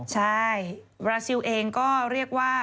ใช่บราซิลเองก็เรียกว่า